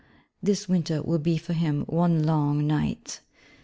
This winter will be for him one long night.